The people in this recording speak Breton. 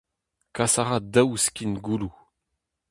Kas a ra daou skin gouloù.